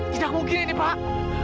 tidak mungkin ini pak